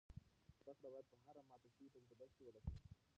زده کړه باید په هره ماته شوې تجربه کې ولټول شي.